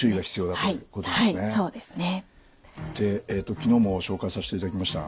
で昨日も紹介させていただきました